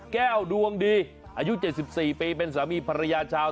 ดวงดีอายุ๗๔ปีเป็นสามีภรรยาชาว